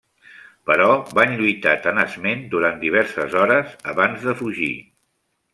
Però van lluitar tenaçment durant diverses hores abans de fugir.